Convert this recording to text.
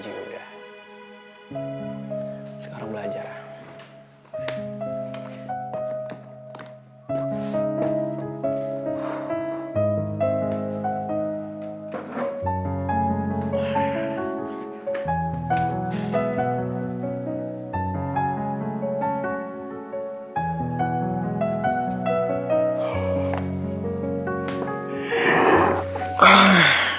udah sekarang belajar